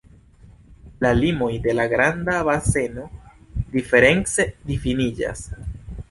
La limoj de la Granda Baseno diference difiniĝas.